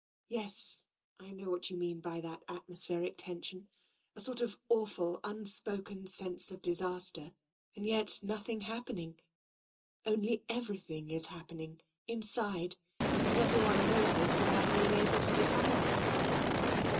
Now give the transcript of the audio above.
" Yes, I know what you mean by that atmospheric tension — a sort of awful, unspoken sense of disaster and yet nothing happening. Only ever)i;hing is hap pening, inside, and everyone knows it without being able to define it."